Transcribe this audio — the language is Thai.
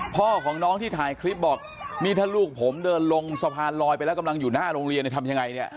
พ่อของน้องที่ถ่ายคลิปบอกนี่ถ้าลูกผมเดินลงสะพานลอยไปแล้วกำลังอยู่หน้าโรงเรียนเนี่ยทำยังไงเนี่ย